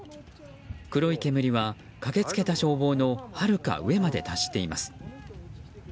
黒い煙は、駆け付けた消防のはるか上まで達しています。